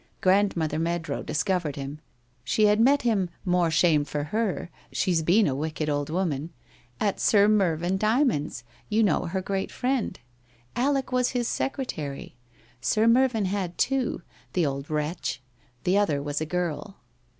Grandmother Meadrow discovered him ; she had met him — more shame for her, she's been a wicked old woman !— at Sir Mervyn Dymond's, you know, her great friend. Alec was his secretary. Sir Mervyn had two, the old wretch; the other was a girl.